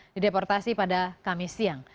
dideportasi pada kamis siang